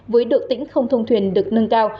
với độ tĩnh không thông thuyền được nâng cao